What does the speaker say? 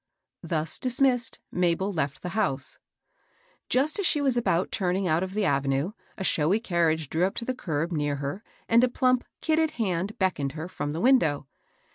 Thus dismissed, Mabel left the house« Just as she was about turning out of the avenue a showy carriage drew up to the curb near hei. and a plump kidded hand beckoned her from the window.